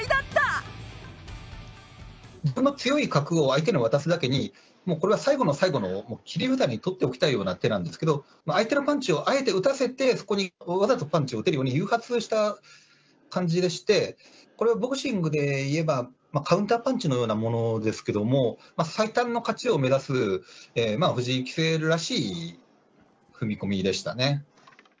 強い角を相手に渡すだけに、もうこれは最後の最後の切り札に取っておきたいような手なんですけど、相手のパンチをあえて打たせて、そこにわざとパンチを打てるように誘発した感じでして、これはボクシングで言えば、カウンターパンチのようなものですけれども、最短の勝ちを目指す藤井棋聖らしい踏み込みでしたね。